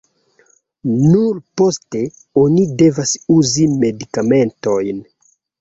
Nur poste oni devas uzi medikamentojn.